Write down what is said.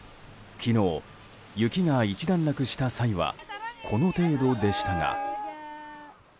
昨日、雪が一段落した際はこの程度でしたが。